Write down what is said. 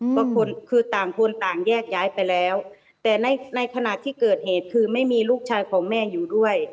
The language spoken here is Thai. ก็คือต่างคนต่างแยกย้ายไปแล้วแต่ในในขณะที่เกิดเหตุคือไม่มีลูกชายของแม่อยู่ด้วย